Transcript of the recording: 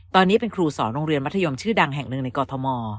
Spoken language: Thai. ตอนนี้เป็นครูสอนโรงเรียนมัธยมชื่อดังแห่งหนึ่งในกอทม